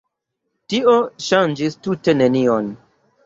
Tio ŝanĝis tute nenion.